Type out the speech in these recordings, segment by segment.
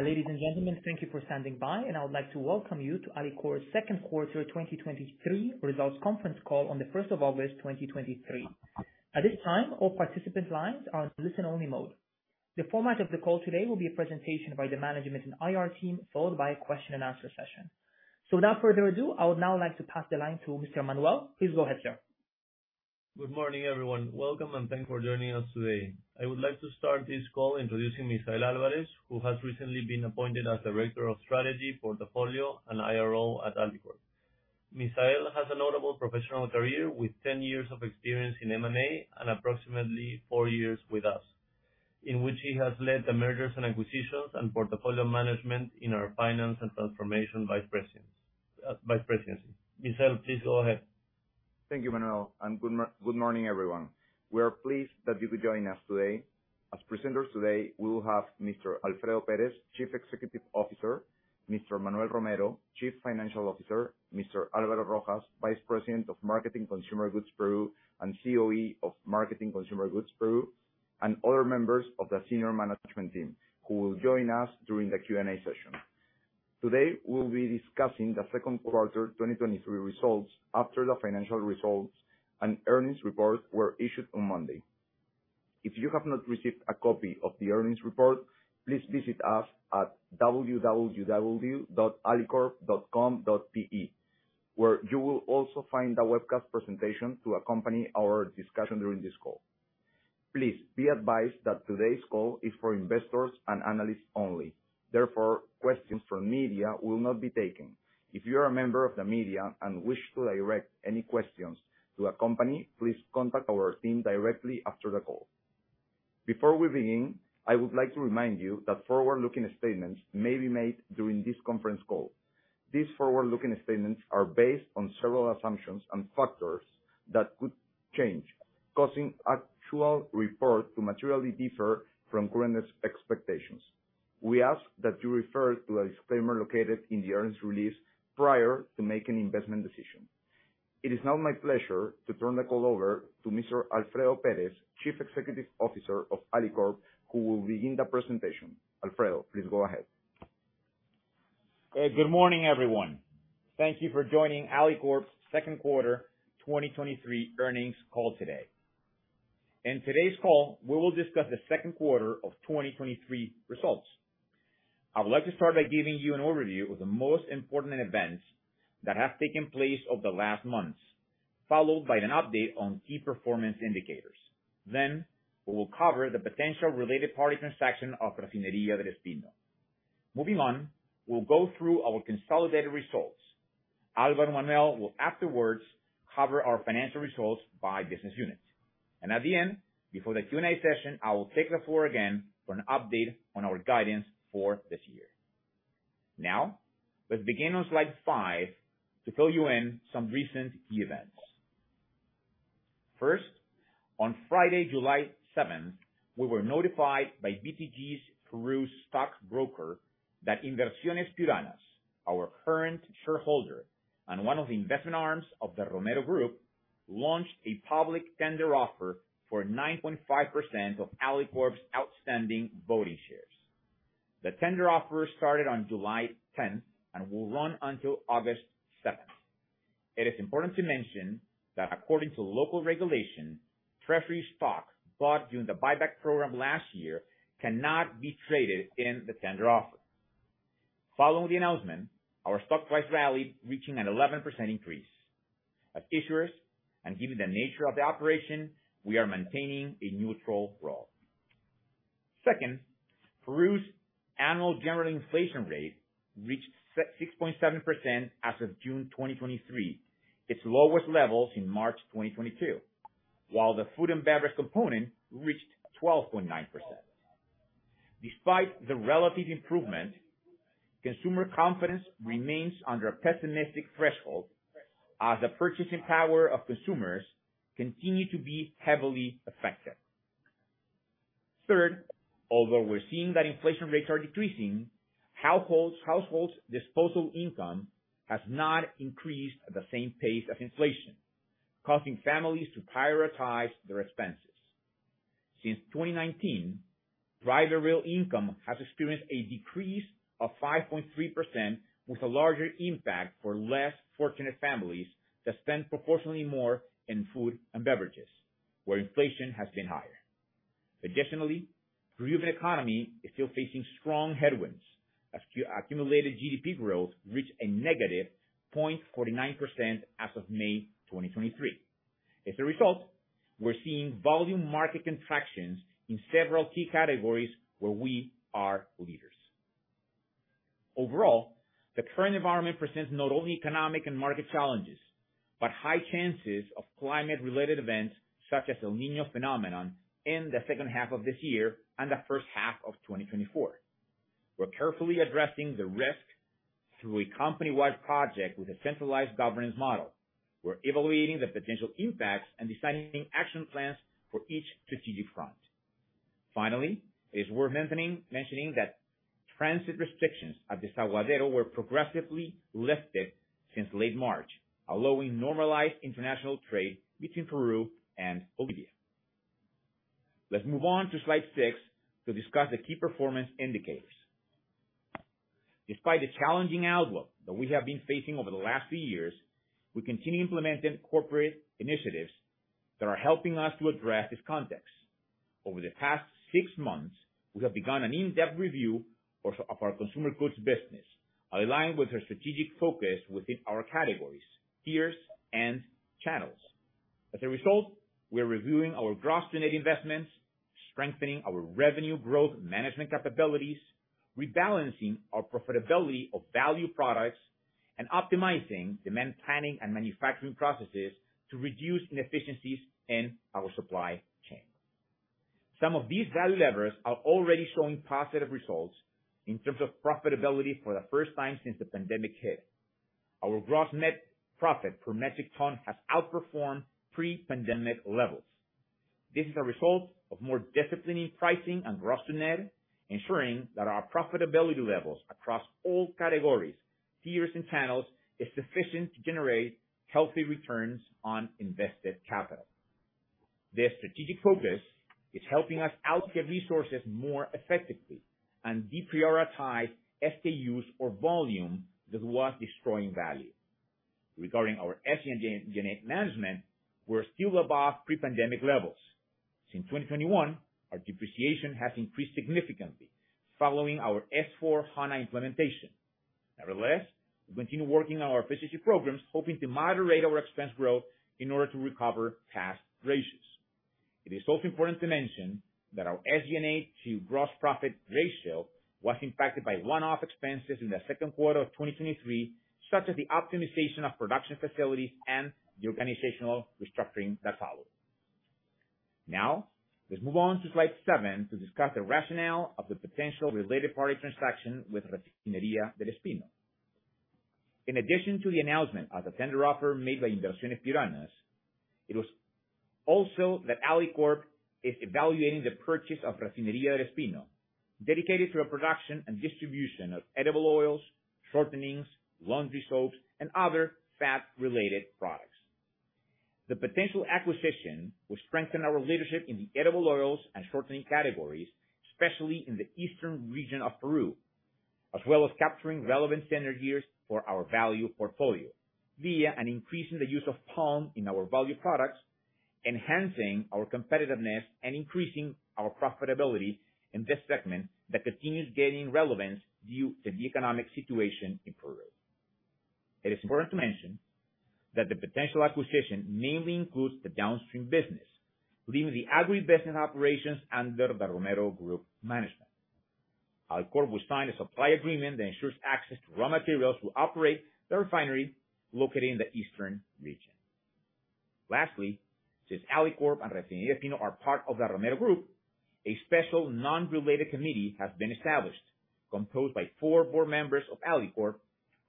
Ladies and gentlemen, thank you for standing by. I would like to welcome you to Alicorp's second quarter 2023 results conference call on the first of August, 2023. At this time, all participant lines are on listen only mode. The format of the call today will be a presentation by the management and IR team, followed by a question and answer session. Without further ado, I would now like to pass the line to Mr. Manuel. Please go ahead, sir. Good morning, everyone. Welcome, and thanks for joining us today. I would like to start this call introducing Misael Alvarez, who has recently been appointed as Director of Strategy, Portfolio, and IRO at Alicorp. Misael has a notable professional career with 10 years of experience in M&A and approximately four years with us, in which he has led the mergers and acquisitions and portfolio management in our finance and transformation vice presidents, vice presidency. Misael, please go ahead. Thank you, Manuel, good morning, everyone. We are pleased that you could join us today. As presenters today, we will have Mr. Alfredo Perez, Chief Executive Officer, Mr. Manuel Romero, Chief Financial Officer, Mr. Alvaro Rojas, Vice President of Marketing Consumer Goods Peru, and COE of Marketing Consumer Goods Peru, and other members of the senior management team, who will join us during the Q&A session. Today, we'll be discussing the second quarter 2023 results after the financial results and earnings reports were issued on Monday. If you have not received a copy of the earnings report, please visit us at www.alicorp.com.pe, where you will also find the webcast presentation to accompany our discussion during this call. Please be advised that today's call is for investors and analysts only. Therefore, questions from media will not be taken. If you are a member of the media and wish to direct any questions to our company, please contact our team directly after the call. Before we begin, I would like to remind you that forward-looking statements may be made during this conference call. These forward-looking statements are based on several assumptions and factors that could change, causing actual reports to materially differ from current expectations. We ask that you refer to the disclaimer located in the earnings release prior to making an investment decision. It is now my pleasure to turn the call over to Mr. Alfredo Perez, Chief Executive Officer of Alicorp, who will begin the presentation. Alfredo, please go ahead. Good morning, everyone. Thank you for joining Alicorp's second quarter 2023 earnings call today. In today's call, we will discuss the second quarter of 2023 results. I would like to start by giving you an overview of the most important events that have taken place over the last months, followed by an update on key performance indicators. Then, we will cover the potential related party transaction of Refinería del Espino. Moving on, we'll go through our consolidated results. Alvaro Manuel will afterwards cover our financial results by business units. And at the end, before the Q&A session, I will take the floor again for an update on our guidance for this year. Now, let's begin on slide 5 to fill you in some recent events. First, on Friday, July 7th, we were notified by BTG Pactual's Peru stockbroker that Inversiones Piuranas, our current shareholder and one of the investment arms of the Romero Group, launched a public tender offer for 9.5% of Alicorp's outstanding voting shares. The tender offer started on July 10th and will run until August 7th. It is important to mention that according to local regulation, treasury stock bought during the buyback program last year cannot be traded in the tender offer. Following the announcement, our stock price rallied, reaching an 11% increase. As issuers, and given the nature of the operation, we are maintaining a neutral role. Second, Peru's annual general inflation rate reached 6.7% as of June 2023, its lowest levels in March 2022, while the food and beverage component reached 12.9%. Despite the relative improvement, consumer confidence remains under a pessimistic threshold as the purchasing power of consumers continue to be heavily affected. Third, although we're seeing that inflation rates are decreasing, households' disposable income has not increased at the same pace as inflation, causing families to prioritize their expenses. Since 2019, private real income has experienced a decrease of 5.3%, with a larger impact for less fortunate families that spend proportionately more in food and beverages, where inflation has been higher. Additionally, Peruvian economy is still facing strong headwinds, as accumulated GDP growth reached a -0.49% as of May 2023. As a result, we're seeing volume market contractions in several key categories where we are leaders. Overall, the current environment presents not only economic and market challenges, but high chances of climate-related events such as El Niño phenomenon in the second half of this year and the first half of 2024. We're carefully addressing the risk through a company-wide project with a centralized governance model. We're evaluating the potential impacts and designing action plans for each strategic front. Finally, it is worth mentioning that transit restrictions at the Desaguadero were progressively lifted since late March, allowing normalized international trade between Peru and Bolivia. Let's move on to slide 6 to discuss the key performance indicators. Despite the challenging outlook that we have been facing over the last few years, we continue implementing corporate initiatives that are helping us to address this context. Over the past six months, we have begun an in-depth review of our consumer goods business, aligned with our strategic focus within our categories, tiers, and channels. As a result, we are reviewing our gross net investments, strengthening our revenue growth management capabilities, rebalancing our profitability of value products, and optimizing demand planning and manufacturing processes to reduce inefficiencies in our supply chain. Some of these value levers are already showing positive results in terms of profitability for the first time since the pandemic hit. Our gross net profit per metric ton has outperformed pre-pandemic levels. This is a result of more disciplined pricing and gross to net, ensuring that our profitability levels across all categories, tiers, and channels, is sufficient to generate healthy returns on invested capital. This strategic focus is helping us allocate resources more effectively and deprioritize SKUs or volume that was destroying value. Regarding our SG&A management, we're still above pre-pandemic levels. Since 2021, our depreciation has increased significantly, following our S/4HANA implementation. Nevertheless, we continue working on our efficiency programs, hoping to moderate our expense growth in order to recover past ratios. It is also important to mention that our SG&A to gross profit ratio was impacted by one-off expenses in the second quarter of 2023, such as the optimization of production facilities and the organizational restructuring that followed. Now, let's move on to slide 7 to discuss the rationale of the potential related party transaction with Refinería del Espino. In addition to the announcement of the tender offer made by Inversiones Piuranas, it was also that Alicorp is evaluating the purchase of Refinería del Espino, dedicated to the production and distribution of edible oils, shortenings, laundry soaps, and other fat-related products. The potential acquisition will strengthen our leadership in the edible oils and shortening categories, especially in the eastern region of Peru, as well as capturing relevant synergies for our value portfolio via an increase in the use of palm in our value products, enhancing our competitiveness, and increasing our profitability in this segment that continues gaining relevance due to the economic situation in Peru. It is important to mention that the potential acquisition mainly includes the downstream business, leaving the agri business operations under the Romero Group management. Alicorp will sign a supply agreement that ensures access to raw materials to operate the refinery located in the eastern region. Lastly, since Alicorp and Refinería del Espino are part of the Romero Group, a special non-related committee has been established, composed by four board members of Alicorp,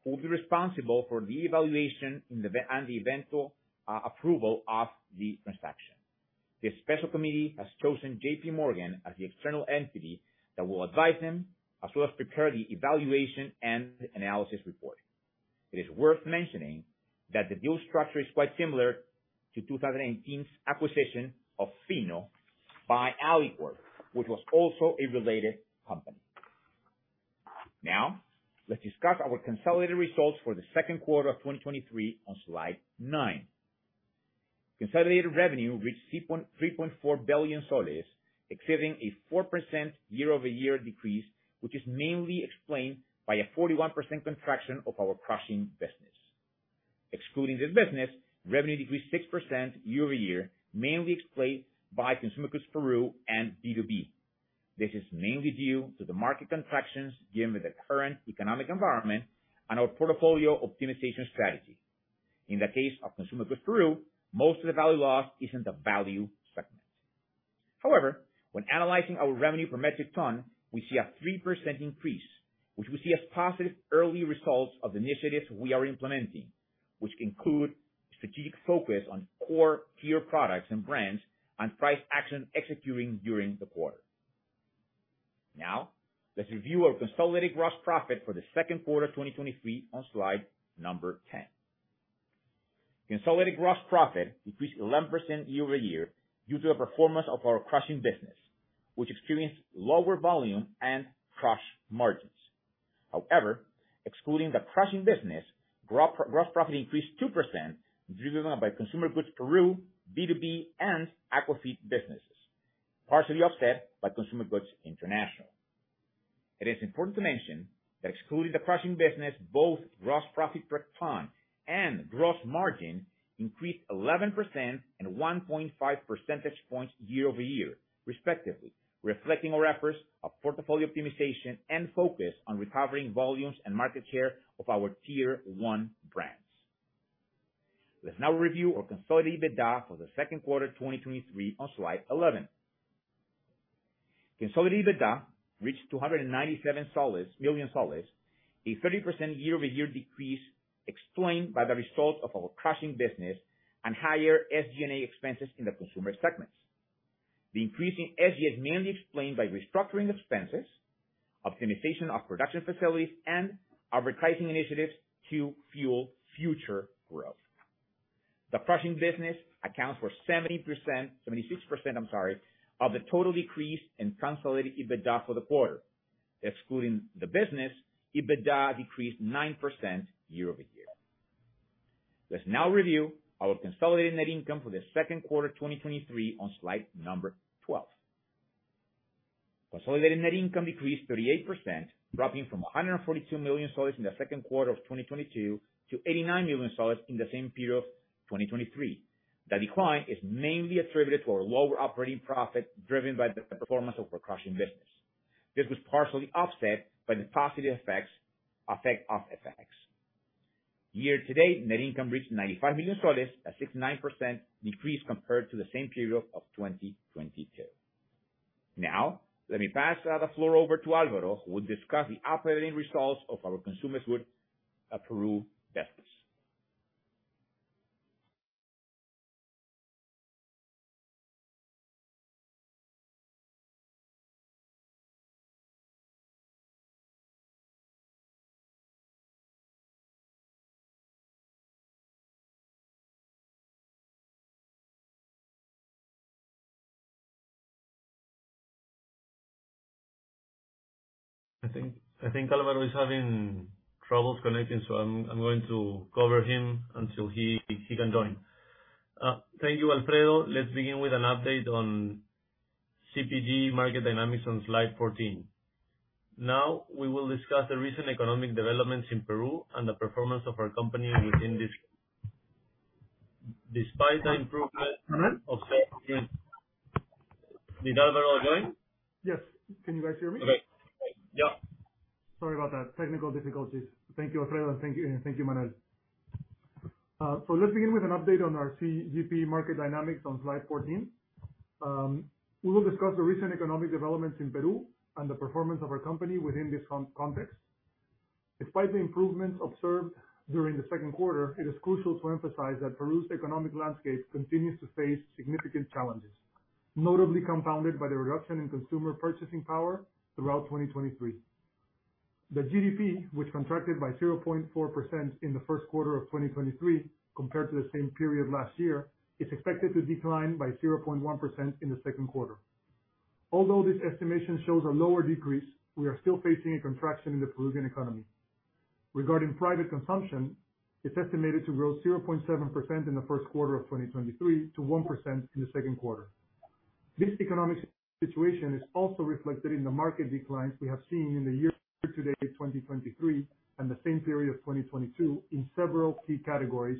who will be responsible for the evaluation in the and the eventual approval of the transaction. This special committee has chosen JP Morgan as the external entity that will advise them, as well as prepare the evaluation and analysis report. It is worth mentioning that the deal structure is quite similar to 2018's acquisition of Fino by Alicorp, which was also a related company. Now, let's discuss our consolidated results for the second quarter of 2023 on slide 9. Consolidated revenue reached PEN 3.4 billion, exceeding a 4% year-over-year decrease, which is mainly explained by a 41% contraction of our crushing business. Excluding this business, revenue decreased 6% year-over-year, mainly explained by consumer goods Peru and B2B. This is mainly due to the market contractions given the current economic environment and our portfolio optimization strategy. In the case of consumer goods Peru, most of the value loss is in the value segment. However, when analyzing our revenue per metric ton, we see a 3% increase, which we see as positive early results of the initiatives we are implementing, which include strategic focus on core tier products and brands, and price action executing during the quarter. Now, let's review our consolidated gross profit for the second quarter of 2023 on slide number 10. Consolidated gross profit increased 11% year-over-year due to the performance of our crushing business, which experienced lower volume and crush margins. Excluding the crushing business, gross profit increased 2%, driven by consumer goods Peru, B2B, and aquafeed businesses, partially offset by consumer goods international. It is important to mention that excluding the crushing business, both gross profit per ton and gross margin increased 11% and 1.5 percentage points year-over-year, respectively, reflecting our efforts of portfolio optimization and focus on recovering volumes and market share of our tier one brands. Let's now review our consolidated EBITDA for second quarter 2023 on slide 11. Consolidated EBITDA reached PEN 297 million, a 30% year-over-year decrease explained by the result of our crushing business and higher SG&A expenses in the consumer segments. The increase in SG&A is mainly explained by restructuring expenses, optimization of production facilities, and advertising initiatives to fuel future growth. The crushing business accounts for 70%, 76%, I'm sorry, of the total decrease in consolidated EBITDA for the quarter. Excluding the business, EBITDA decreased 9% year-over-year. Let's now review our consolidated net income for the second quarter, 2023, on slide number 12. Consolidated net income decreased 38%, dropping from PEN 142 million soles in the second quarter of 2022 to PEN 89 million soles in the same period of 2023. The decline is mainly attributed to a lower operating profit, driven by the performance of our crushing business. This was partially offset by the positive effect of FX. Year-to-date, net income reached PEN 95 million soles, a 69% decrease compared to the same period of 2022. Let me pass the floor over to Alvaro, who will discuss the operating results of our consumer goods Peru business. I think Alvaro is having troubles connecting, I'm going to cover him until he can join. Thank you, Alfredo. Let's begin with an update on CPG market dynamics on slide 14. We will discuss the recent economic developments in Peru and the performance of our company within this. Did Alvaro join? Yes. Can you guys hear me? Okay. Yeah. Sorry about that. Technical difficulties. Thank you, Alfredo, and thank you, thank you, Manuel. Let's begin with an update on our CPG market dynamics on slide 14. We will discuss the recent economic developments in Peru and the performance of our company within this context. Despite the improvements observed during the second quarter, it is crucial to emphasize that Peru's economic landscape continues to face significant challenges, notably compounded by the reduction in consumer purchasing power throughout 2023. The GDP, which contracted by 0.4% in the first quarter of 2023, compared to the same period last year, is expected to decline by 0.1% in the second quarter. Although this estimation shows a lower decrease, we are still facing a contraction in the Peruvian economy. Regarding private consumption, it's estimated to grow 0.7% in the first quarter of 2023 to 1% in the second quarter. This economic situation is also reflected in the market declines we have seen in the year to date 2023, and the same period of 2022 in several key categories,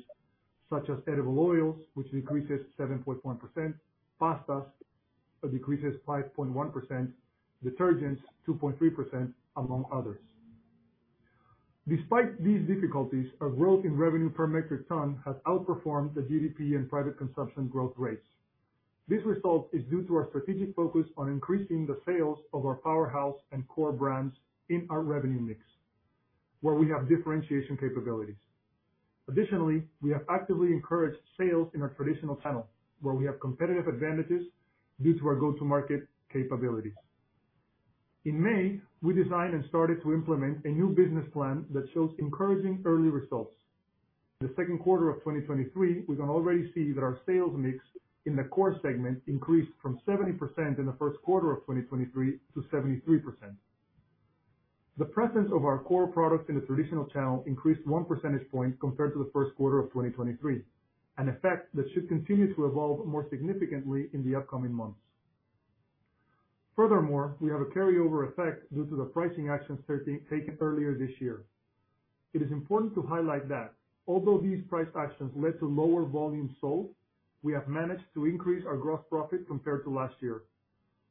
such as edible oils, which decreases 7.1%, pastas, decreases 5.1%, detergents, 2.3%, among others. Despite these difficulties, our growth in revenue per metric ton has outperformed the GDP and private consumption growth rates. Additionally, we have actively encouraged sales in our traditional channel, where we have competitive advantages due to our go-to-market capabilities. In May, we designed and started to implement a new business plan that shows encouraging early results. The second quarter of 2023, we can already see that our sales mix in the core segment increased from 70% in the first quarter of 2023 to 73%. The presence of our core products in the traditional channel increased one percentage point compared to the first quarter of 2023, an effect that should continue to evolve more significantly in the upcoming months. We have a carryover effect due to the pricing actions taken earlier this year. It is important to highlight that although these price actions led to lower volumes sold, we have managed to increase our gross profit compared to last year.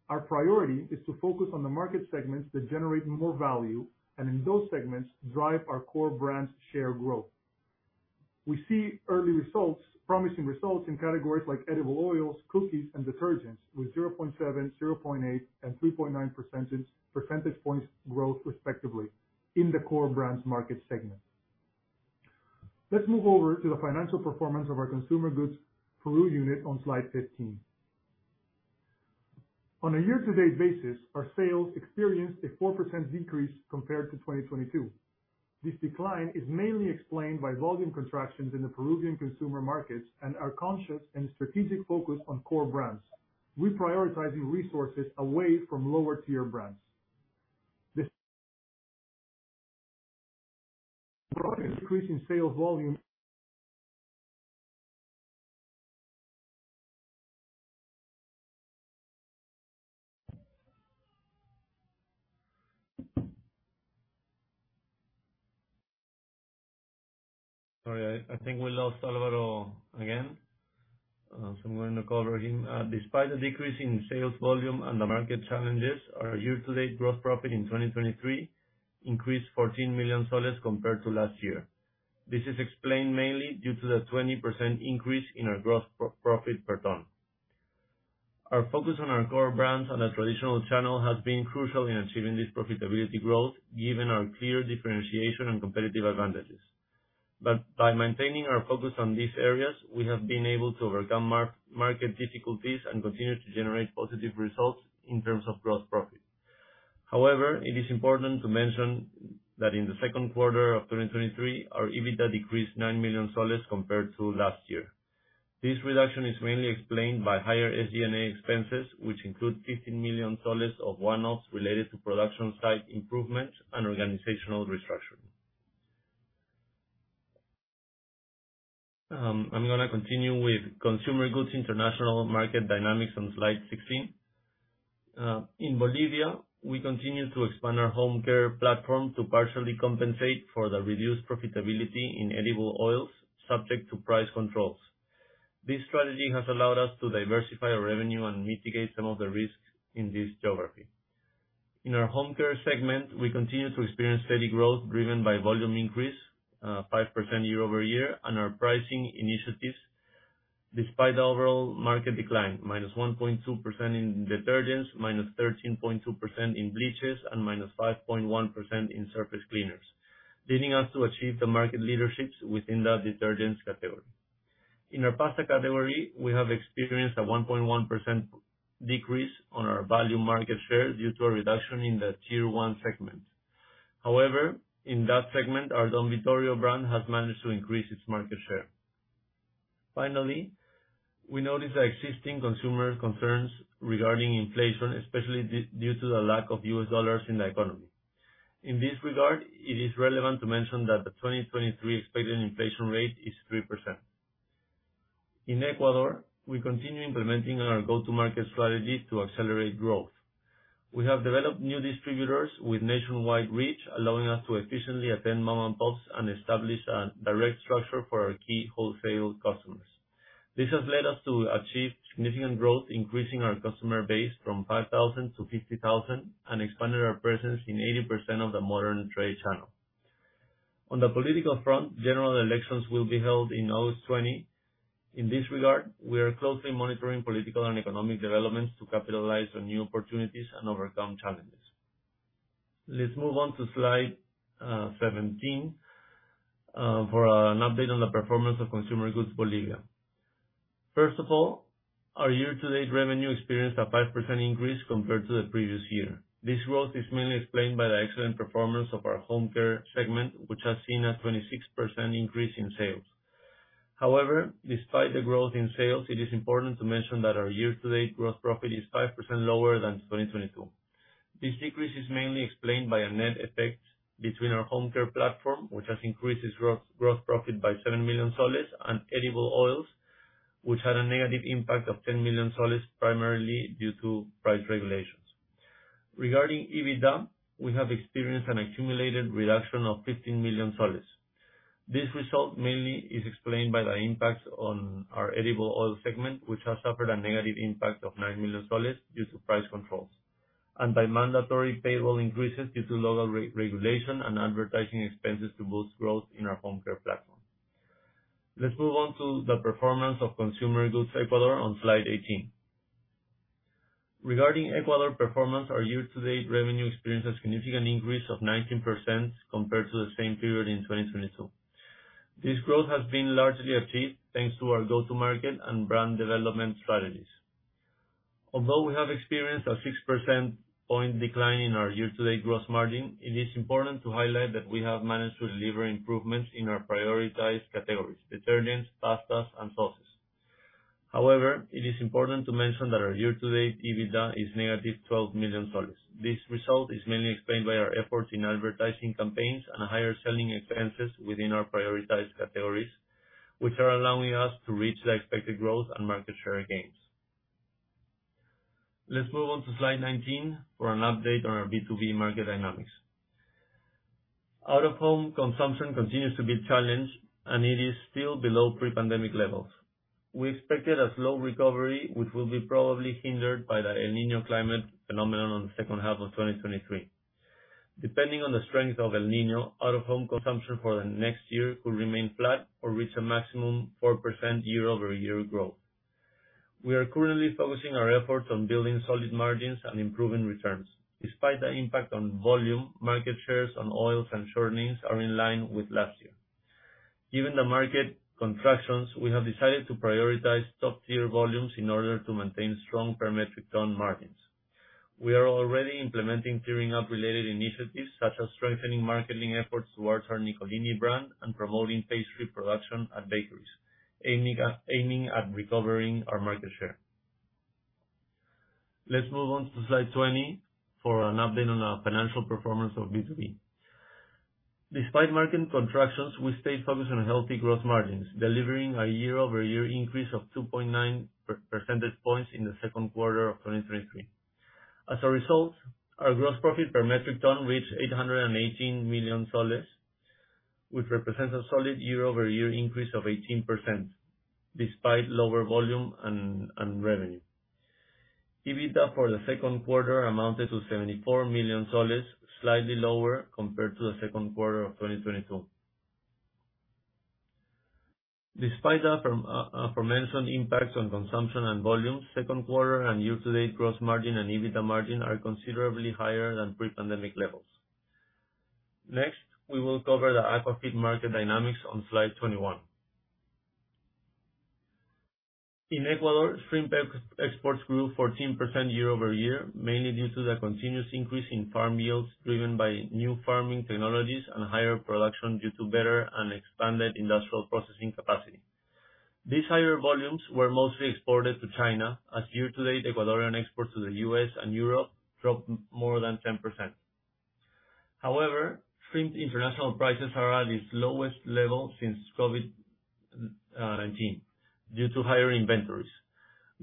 Our priority is to focus on the market segments that generate more value, and in those segments, drive our core brands' share growth. We see early results, promising results in categories like edible oils, cookies, and detergents, with 0.7, 0.8, and 3.9 percentage points growth, respectively, in the core brands market segment. Let's move over to the financial performance of our consumer goods Peru unit on slide 15. On a year-to-date basis, our sales experienced a 4% decrease compared to 2022. This decline is mainly explained by volume contractions in the Peruvian consumer markets and our conscious and strategic focus on core brands, reprioritizing resources away from lower-tier brands. The decrease in sales volume. Sorry, I, I think we lost Alvaro again, so I'm going to cover him. Despite the decrease in sales volume and the market challenges, our year-to-date gross profit in 2023 increased PEN 14 million compared to last year. This is explained mainly due to the 20% increase in our gross profit per ton. Our focus on our core brands and the traditional channel has been crucial in achieving this profitability growth, given our clear differentiation and competitive advantages. By maintaining our focus on these areas, we have been able to overcome market difficulties and continue to generate positive results in terms of gross profit. However, it is important to mention that in the second quarter of 2023, our EBITDA decreased PEN 9 million compared to last year. This reduction is mainly explained by higher SG&A expenses, which include PEN 15 million of one-offs related to production site improvements and organizational restructure. I'm gonna continue with consumer goods, international market dynamics on slide 16. In Bolivia, we continue to expand our home care platform to partially compensate for the reduced profitability in edible oils subject to price controls. This strategy has allowed us to diversify our revenue and mitigate some of the risks in this geography. In our home care segment, we continue to experience steady growth, driven by volume increase, 5% year-over-year, and our pricing initiatives, despite the overall market decline, minus 1.2% in detergents, minus 13.2% in bleaches, and minus 5.1% in surface cleaners, leading us to achieve the market leaderships within the detergents category. In our pasta category, we have experienced a 1.1% decrease on our volume market share due to a reduction in the Tier 1 segment. However, in that segment, our Don Vittorio brand has managed to increase its market share. Finally, we notice the existing consumer concerns regarding inflation, especially due to the lack of U.S. dollars in the economy. In this regard, it is relevant to mention that the 2023 expected inflation rate is 3%. In Ecuador, we continue implementing our go-to-market strategy to accelerate growth. We have developed new distributors with nationwide reach, allowing us to efficiently attend mom-and-pops and establish a direct structure for our key wholesale customers. This has led us to achieve significant growth, increasing our customer base from 5,000 to 50,000, and expanded our presence in 80% of the modern trade channel. On the political front, general elections will be held in August 20. In this regard, we are closely monitoring political and economic developments to capitalize on new opportunities and overcome challenges. Let's move on to slide 17 for an update on the performance of Consumer Goods Bolivia. First of all, our year-to-date revenue experienced a 5% increase compared to the previous year. This growth is mainly explained by the excellent performance of our home care segment, which has seen a 26% increase in sales. However, despite the growth in sales, it is important to mention that our year-to-date gross profit is 5% lower than 2022. This decrease is mainly explained by a net effect between our home care platform, which has increased its growth, gross profit by PEN 7 million, and edible oils, which had a negative impact of PEN 10 million, primarily due to price regulations. Regarding EBITDA, we have experienced an accumulated reduction of PEN 15 million. This result mainly is explained by the impacts on our edible oil segment, which has suffered a negative impact of PEN 9 million due to price controls, and by mandatory payroll increases due to local re- regulation and advertising expenses to boost growth in our home care platform. Let's move on to the performance of Consumer Goods Ecuador on slide 18. Regarding Ecuador performance, our year-to-date revenue experienced a significant increase of 19% compared to the same period in 2022. This growth has been largely achieved thanks to our go-to-market and brand development strategies. Although we have experienced a 6 percent point decline in our year-to-date gross margin, it is important to highlight that we have managed to deliver improvements in our prioritized categories: detergents, pastas, and sauces. It is important to mention that our year-to-date EBITDA is negative PEN 12 million. This result is mainly explained by our efforts in advertising campaigns and higher selling expenses within our prioritized categories, which are allowing us to reach the expected growth and market share gains. Let's move on to slide 19 for an update on our B2B market dynamics. Out-of-home consumption continues to be a challenge, and it is still below pre-pandemic levels. We expected a slow recovery, which will be probably hindered by the El Niño climate phenomenon on the second half of 2023. Depending on the strength of El Niño, out-of-home consumption for the next year could remain flat or reach a maximum 4% year-over-year growth. We are currently focusing our efforts on building solid margins and improving returns. Despite the impact on volume, market shares on oils and shortenings are in line with last year. Given the market contractions, we have decided to prioritize top-tier volumes in order to maintain strong per metric ton margins. We are already implementing clearing up related initiatives, such as strengthening marketing efforts towards our Nicolini brand and promoting pastry production at bakeries, aiming at, aiming at recovering our market share. Let's move on to slide 20 for an update on our financial performance of B2B. Despite market contractions, we stay focused on healthy growth margins, delivering a year-over-year increase of 2.9 percentage points in the second quarter of 2023. As a result, our gross profit per metric ton reached PEN 818 million soles, which represents a solid year-over-year increase of 18%, despite lower volume and revenue. EBITDA for the second quarter amounted to PEN 74 million soles, slightly lower compared to the second quarter of 2022. Despite the aforementioned impacts on consumption and volume, second quarter and year-to-date gross margin and EBITDA margin are considerably higher than pre-pandemic levels. Next, we will cover the aquafeed market dynamics on slide 21. In Ecuador, shrimp ex-exports grew 14% year-over-year, mainly due to the continuous increase in farm yields, driven by new farming technologies and higher production due to better and expanded industrial processing capacity. These higher volumes were mostly exported to China, as year-to-date Ecuadorian exports to the U.S. and Europe dropped more than 10%. Shrimp international prices are at its lowest level since COVID-19, due to higher inventories.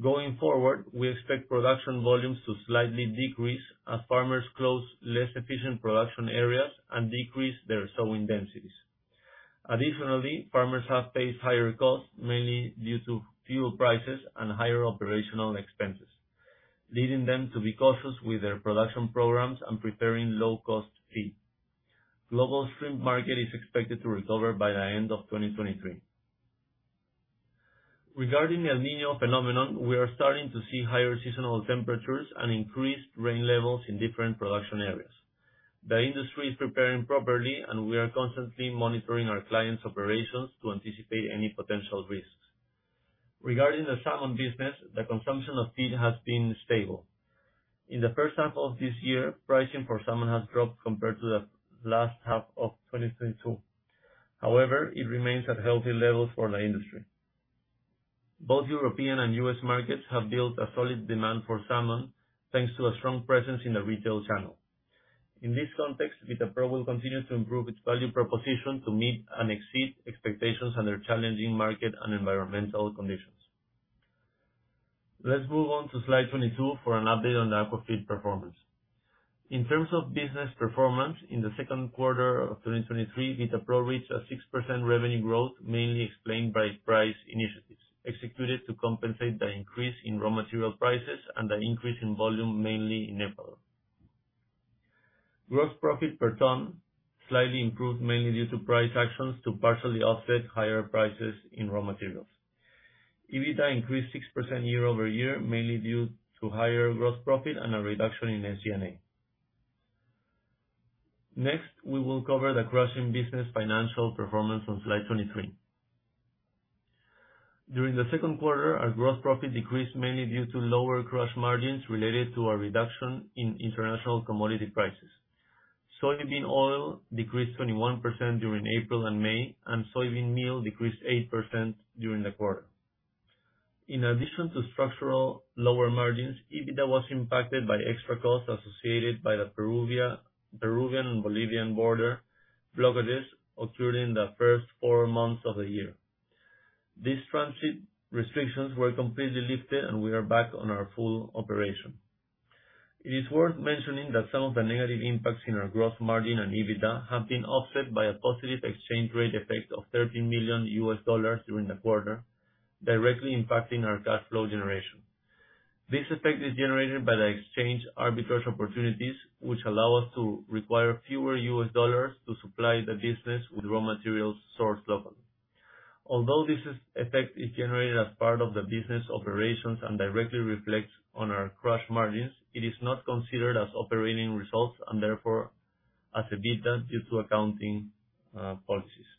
Going forward, we expect production volumes to slightly decrease as farmers close less efficient production areas and decrease their sowing densities. Additionally, farmers have faced higher costs, mainly due to fuel prices and higher operational expenses, leading them to be cautious with their production programs and preparing low-cost feed. Global shrimp market is expected to recover by the end of 2023. Regarding the El Niño phenomenon, we are starting to see higher seasonal temperatures and increased rain levels in different production areas. The industry is preparing properly, and we are constantly monitoring our clients' operations to anticipate any potential risks. Regarding the salmon business, the consumption of feed has been stable. In the first half of this year, pricing for salmon has dropped compared to the last half of 2022. However, it remains at healthy levels for the industry. Both European and U.S. markets have built a solid demand for salmon, thanks to a strong presence in the retail channel. In this context, Vitapro will continue to improve its value proposition to meet and exceed expectations under challenging market and environmental conditions. Let's move on to slide 22 for an update on the aquafeed performance. In terms of business performance, in the second quarter of 2023, Vitapro reached a 6% revenue growth, mainly explained by price initiatives executed to compensate the increase in raw material prices and the increase in volume, mainly in Ecuador. Gross profit per ton slightly improved, mainly due to price actions to partially offset higher prices in raw materials. EBITDA increased 6% year-over-year, mainly due to higher gross profit and a reduction in SG&A. Next, we will cover the crushing business financial performance on slide 23. During the second quarter, our gross profit decreased mainly due to lower crush margins related to a reduction in international commodity prices. Soybean oil decreased 21% during April and May. Soybean meal decreased 8% during the quarter. In addition to structural lower margins, EBITDA was impacted by extra costs associated by the Peruvian and Bolivian border blockages occurred in the first four months of the year. These transit restrictions were completely lifted, and we are back on our full operation. It is worth mentioning that some of the negative impacts in our gross margin and EBITDA have been offset by a positive exchange rate effect of $13 million during the quarter, directly impacting our cash flow generation. This effect is generated by the exchange arbitrage opportunities, which allow us to require fewer U.S. dollars to supply the business with raw materials sourced locally. Although this effect is generated as part of the business operations and directly reflects on our crush margins, it is not considered as operating results, and therefore, as EBITDA, due to accounting policies.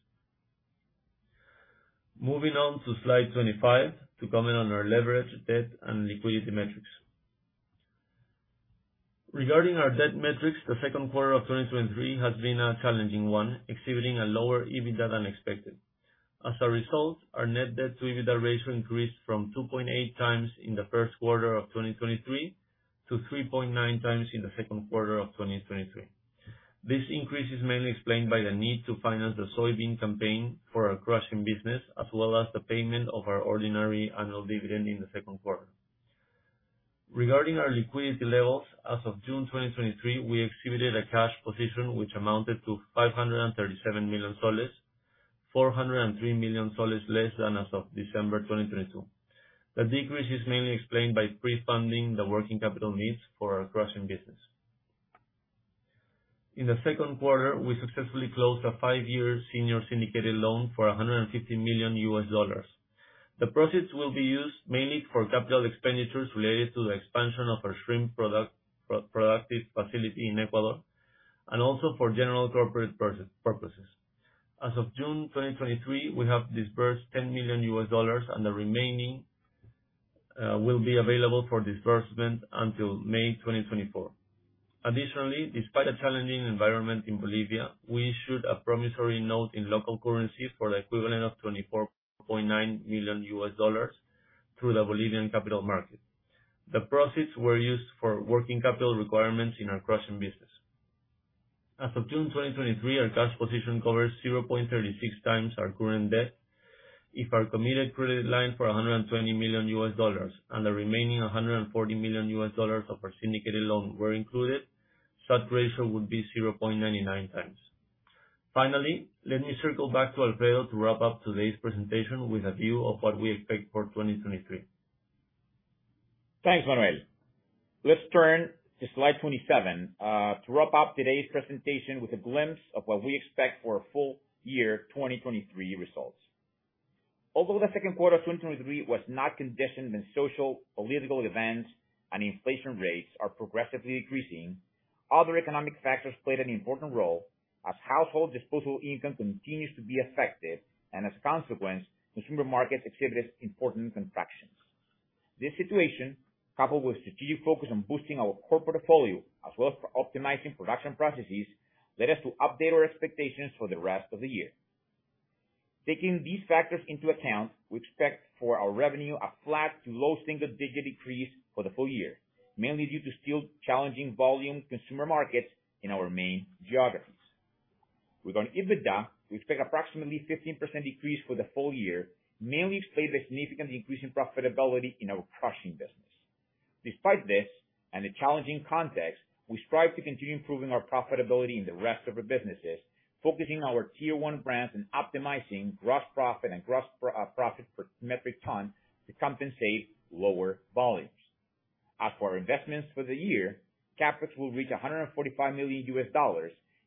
Moving on to slide 25 to comment on our leverage, debt, and liquidity metrics. Regarding our debt metrics, the second quarter of 2023 has been a challenging one, exhibiting a lower EBITDA than expected. As a result, our net debt to EBITDA ratio increased from 2.8x in the first quarter of 2023 to 3.9x in the second quarter of 2023. This increase is mainly explained by the need to finance the soybean campaign for our crushing business, as well as the payment of our ordinary annual dividend in the second quarter. Regarding our liquidity levels, as of June 2023, we exhibited a cash position which amounted to PEN 537 million, PEN 403 million less than as of December 2022. The decrease is mainly explained by pre-funding the working capital needs for our crushing business. In the second quarter, we successfully closed a five-year senior syndicated loan for $150 million. The proceeds will be used mainly for capital expenditures related to the expansion of our shrimp product, productive facility in Ecuador, and also for general corporate purposes. As of June 2023, we have disbursed $10 million, and the remaining will be available for disbursement until May 2024. Additionally, despite a challenging environment in Bolivia, we issued a promissory note in local currency for the equivalent of $24.9 million through the Bolivian capital market. The proceeds were used for working capital requirements in our crushing business. As of June 2023, our cash position covers 0.36 times our current debt. If our committed credit line for $120 million and the remaining $140 million of our syndicated loan were included, such ratio would be 0.99 times. Finally, let me circle back to Alfredo to wrap up today's presentation with a view of what we expect for 2023.... Thanks, Manuel. Let's turn to slide 27 to wrap up today's presentation with a glimpse of what we expect for our full year 2023 results. Although the second quarter of 2023 was not conditioned in sociopolitical events, and inflation rates are progressively increasing, other economic factors played an important role as household disposable income continues to be affected, and as a consequence, consumer markets experienced important contractions. This situation, coupled with strategic focus on boosting our core portfolio, as well as for optimizing production processes, led us to update our expectations for the rest of the year. Taking these factors into account, we expect for our revenue a flat to low single-digit decrease for the full year, mainly due to still challenging volume consumer markets in our main geographies. With our EBITDA, we expect approximately 15% decrease for the full year, mainly explained by significant increase in profitability in our crushing business. Despite this, and the challenging context, we strive to continue improving our profitability in the rest of our businesses, focusing our tier-one brands and optimizing gross profit and gross profit per metric ton to compensate lower volumes. As for our investments for the year, CapEx will reach $145 million,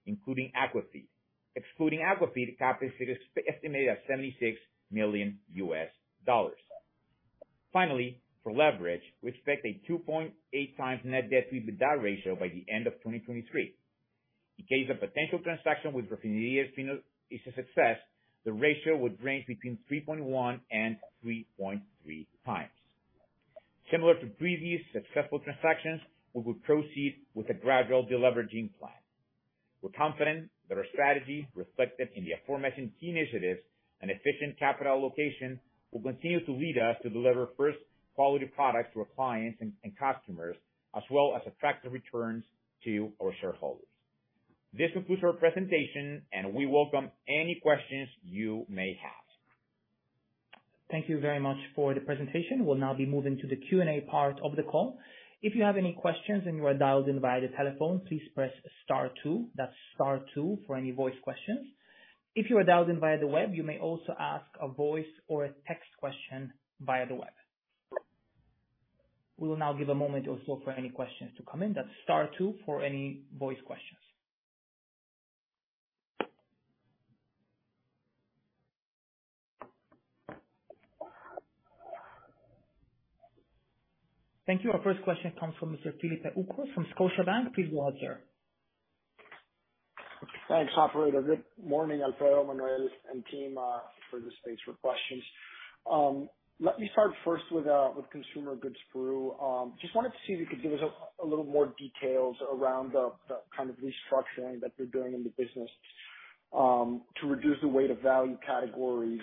including aquafeed. Excluding aquafeed, CapEx is estimated at $76 million. Finally, for leverage, we expect a 2.8x net debt to EBITDA ratio by the end of 2023. In case a potential transaction with Rafinería is a success, the ratio would range between 3.1x and 3.3x. Similar to previous successful transactions, we will proceed with a gradual deleveraging plan. We're confident that our strategy, reflected in the aforementioned key initiatives and efficient capital allocation, will continue to lead us to deliver first quality products to our clients and customers, as well as attractive returns to our shareholders. This concludes our presentation, and we welcome any questions you may have. Thank you very much for the presentation. We'll now be moving to the Q&A part of the call. If you have any questions, and you are dialed in via the telephone, please press star two, that's star two, for any voice questions. If you are dialed in via the web, you may also ask a voice or a text question via the web. We will now give a moment or so for any questions to come in. That's star two for any voice questions. Thank you. Our first question comes from Mr. Felipe Ucros from Scotiabank. Please go ahead, sir. Thanks, operator. Good morning, Alfredo, Manuel, and team, for the space for questions. Let me start first with consumer goods Peru. Just wanted to see if you could give us a little more details around the kind of restructuring that you're doing in the business, to reduce the weight of value categories.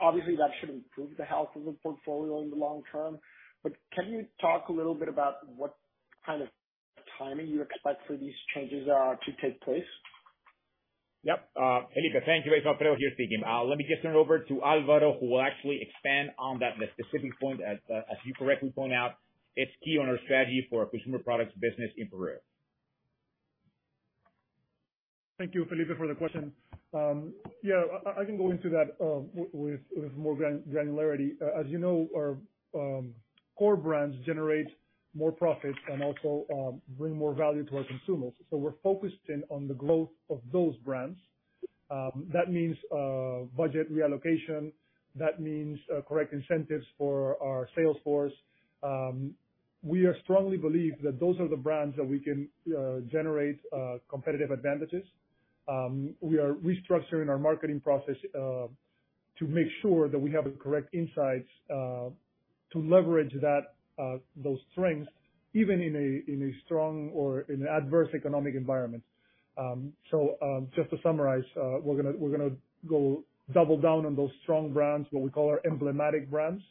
Obviously, that should improve the health of the portfolio in the long term, but can you talk a little bit about what kind of timing you expect for these changes to take place? Yep, Felipe, thank you. It's Alfredo here speaking. Let me just turn it over to Alvaro, who will actually expand on that specific point. As you correctly point out, it's key on our strategy for our consumer products business in Peru. Thank you, Felipe, for the question. Yeah, I can go into that with, with more granularity. As you know, our core brands generate more profit and also bring more value to our consumers. So we're focused in on the growth of those brands. That means budget reallocation, that means correct incentives for our sales force. We strongly believe that those are the brands that we can generate competitive advantages. We are restructuring our marketing process to make sure that we have the correct insights to leverage that those strengths, even in a, in a strong or in an adverse economic environment. Just to summarize, we're gonna, we're gonna go double down on those strong brands, what we call our emblematic brands,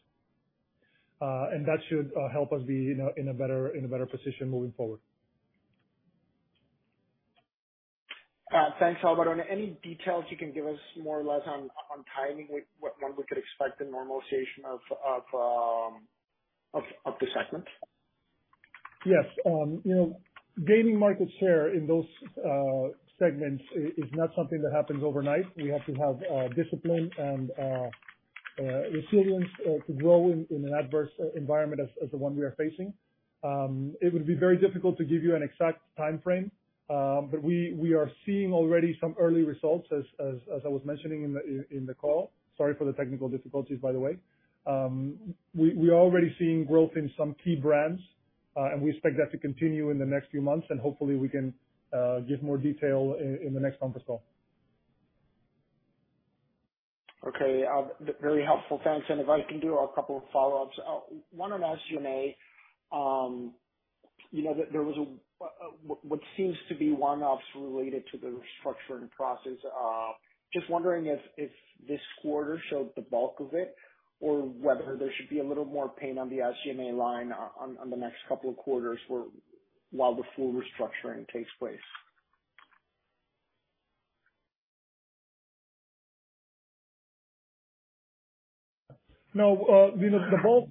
and that should help us be in a better, in a better position moving forward. Thanks, Alvaro. Any details you can give us, more or less on, on timing, like, what one we could expect the normalization of the segment? Yes. you know, gaining market share in those segments is not something that happens overnight. We have to have discipline and resilience to grow in an adverse environment as the one we are facing. It would be very difficult to give you an exact timeframe, but we are seeing already some early results as I was mentioning in the call. Sorry for the technical difficulties, by the way. We are already seeing growth in some key brands, and we expect that to continue in the next few months, and hopefully we can give more detail in the next conference call. Okay. very helpful. Thanks. If I can do a couple of follow-ups. one on SG&A. you know, there, there was a, what seems to be one-offs related to the restructuring process. just wondering if, if this quarter showed the bulk of it or whether there should be a little more pain on the SG&A line on, on the next couple of quarters while the full restructuring takes place? No, you know, the bulk,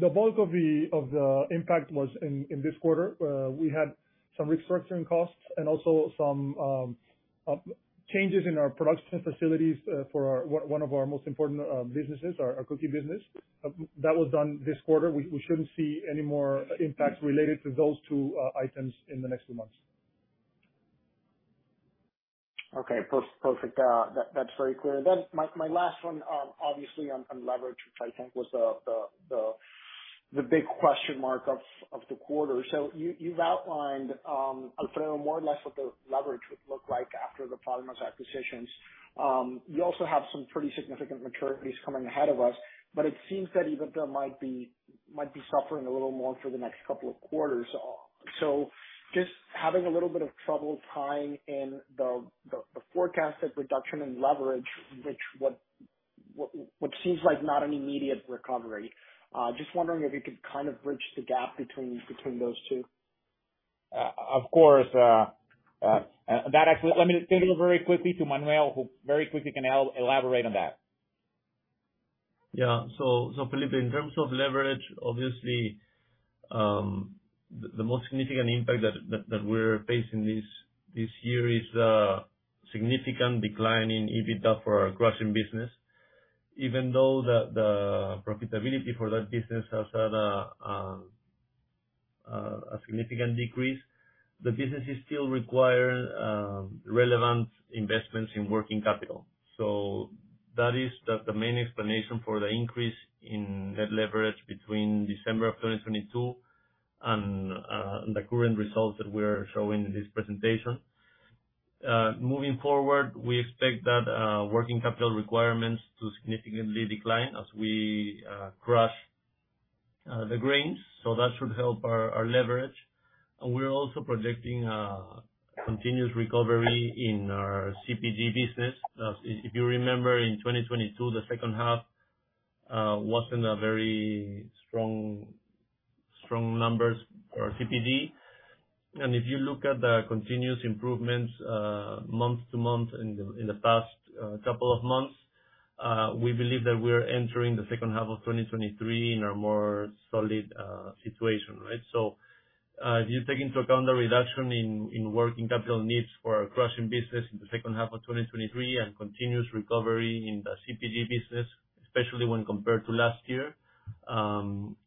the bulk of the, of the impact was in, in this quarter. We had some restructuring costs and also some changes in our production facilities for our one of our most important businesses, our, our cookie business. That was done this quarter. We, we shouldn't see any more impacts related to those two items in the next two months. Okay, per- perfect, that- that's very clear. My, my last one, obviously on, on leverage, which I think was the, the, the, the big question mark of, of the quarter. You- you've outlined, Alfredo, more or less, what the leverage would look like after the previous acquisitions. You also have some pretty significant maturities coming ahead of us, but it seems that EBITDA might be, might be suffering a little more for the next couple of quarters. Just having a little bit of trouble tying in the, the, the forecasted reduction in leverage, which, what seems like not an immediate recovery. Just wondering if you could kind of bridge the gap between, between those two. Of course, let me turn it over very quickly to Manuel, who very quickly can elaborate on that. Yeah. So, Philippe, in terms of leverage, obviously, the most significant impact that we're facing this year is significant decline in EBITDA for our crushing business. Even though the profitability for that business has had a significant decrease, the business is still requiring relevant investments in working capital. That is the main explanation for the increase in net leverage between December of 2022 and the current results that we're showing in this presentation. Moving forward, we expect that working capital requirements to significantly decline as we crush the grains, so that should help our leverage. We're also projecting a continuous recovery in our CPG business. If, if you remember in 2022, the second half wasn't a very strong, strong numbers for CPG. If you look at the continuous improvements, month to month in the, in the past, couple of months, we believe that we're entering the second half of 2023 in a more solid situation, right. If you take into account the reduction in, in working capital needs for our crushing business in the second half of 2023, and continuous recovery in the CPG business, especially when compared to last year,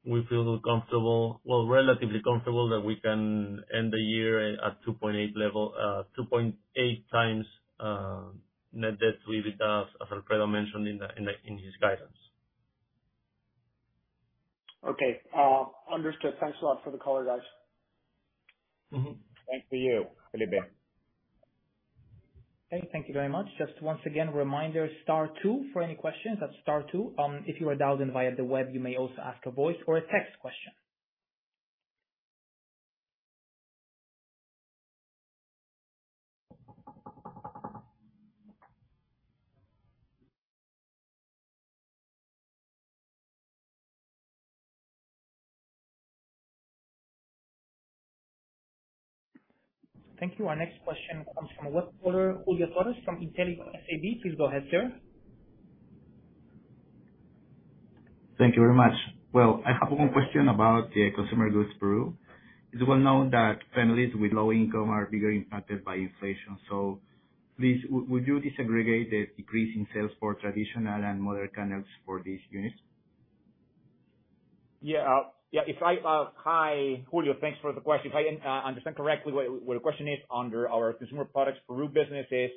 we feel comfortable. Well, relatively comfortable that we can end the year at 2.8 level, 2.8x net debt to EBITDA, as Alfredo mentioned in the, in the, in his guidance. Okay. Understood. Thanks a lot for the color, guys. Mm-hmm. Thanks to you, Philippe. Okay, thank you very much. Just once again, a reminder, star 2 for any questions. That's star 2. If you are dialed in via the web, you may also ask a voice or a text question. Thank you. Our next question comes from Julio Torres from Inteligo SAB. Please go ahead, sir. Thank you very much. Well, I have one question about the Consumer Goods Peru. It's well known that families with low income are bigger impacted by inflation, please, would you disaggregate the decrease in sales for traditional and modern channels for these units? Yeah. Yeah, if I... Hi, Julio, thanks for the question. If I understand correctly, what, what the question is, under our consumer products Peru business is,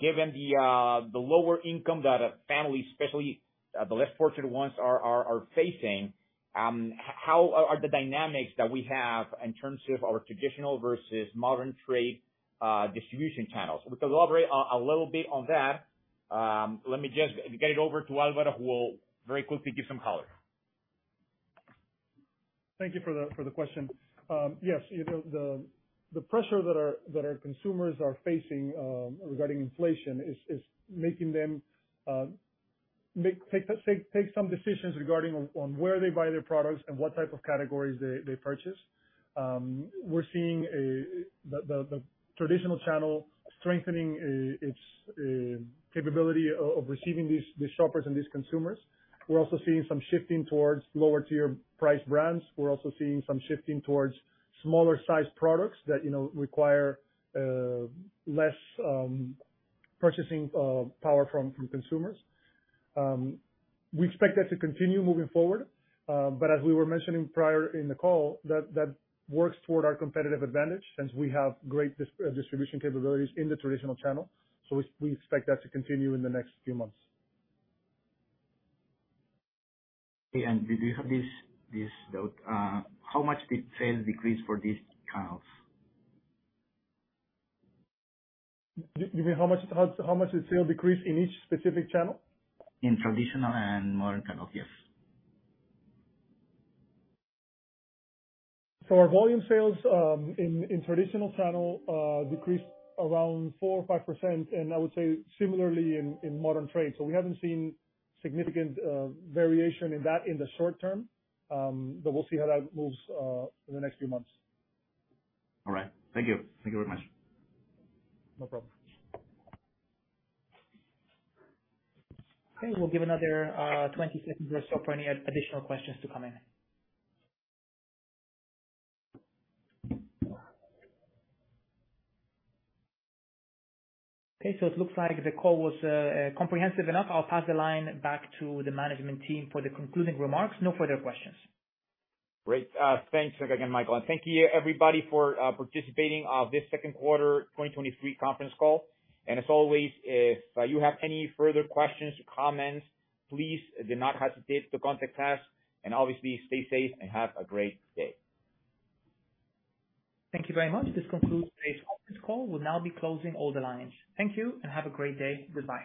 given the, the lower income that a family, especially, the less fortunate ones, are, are, are facing, how are the dynamics that we have in terms of our traditional versus modern trade, distribution channels? To elaborate a, a little bit on that, let me just give it over to Alvaro, who will very quickly give some color. Thank you for the, for the question. Yes, you know, the, the pressure that our, that our consumers are facing, regarding inflation is, is making them take some decisions regarding on where they buy their products and what type of categories they purchase. We're seeing The traditional channel strengthening its capability of receiving these shoppers and these consumers. We're also seeing some shifting towards lower-tier priced brands. We're also seeing some shifting towards smaller-sized products that, you know, require less purchasing power from consumers. We expect that to continue moving forward, but as we were mentioning prior in the call, that works toward our competitive advantage since we have great distribution capabilities in the traditional channel. We, we expect that to continue in the next few months. Okay. Did you have this, this note? How much did sales decrease for these channels? Do you mean how much, how much did sales decrease in each specific channel? In traditional and modern channel? Yes. For our volume sales, in, in traditional channel, decreased around 4% or 5%, and I would say similarly in, in modern trade. We haven't seen significant variation in that in the short term, but we'll see how that moves in the next few months. All right. Thank you. Thank you very much. No problem. Okay, we'll give another 20 seconds or so for any additional questions to come in. Okay, it looks like the call was comprehensive enough. I'll pass the line back to the management team for the concluding remarks. No further questions. Great. thanks again, Michael, and thank you, everybody, for participating this second quarter 2023 conference call. As always, if you have any further questions or comments, please do not hesitate to contact us, and obviously, stay safe and have a great day. Thank you very much. This concludes today's office call. We'll now be closing all the lines. Thank you, and have a great day. Goodbye.